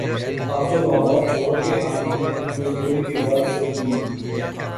اب جو لاہور چھوڑ کے آئے ہیں، مزدوری کی غرض سے تین